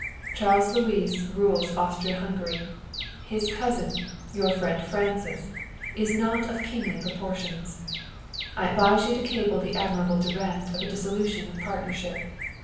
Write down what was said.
Charles Louis rules Austria Hungary; his cousin, your friend Francis, is not of kingly proportions. I advise you to cable the amiable Durand of a dissolution of partnership.